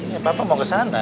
ya bapak mau ke sana